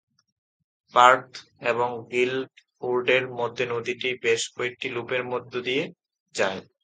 পার্থ এবং গিল্ডফোর্ডের মধ্যে নদীটি বেশ কয়েকটি লুপের মধ্য দিয়ে যায়।